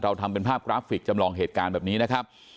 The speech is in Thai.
ทำเป็นภาพกราฟิกจำลองเหตุการณ์แบบนี้นะครับ